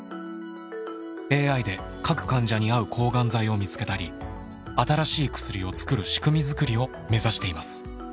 ＡＩで各患者に合う抗がん剤を見つけたり新しい薬を作る仕組みづくりを目指しています。